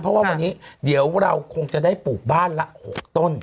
เพราะว่าวันนี้เดี๋ยวเราคงจะได้ปลูกบ้านละ๖ต้น